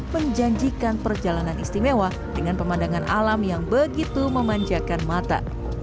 menjanjikan perjalanan istimewa dengan pemandangan alam yang begitu memanjakan mata